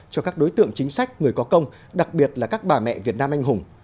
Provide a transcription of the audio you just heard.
cho các đối tượng chính sách người có công đặc biệt là các bà mẹ việt nam anh hùng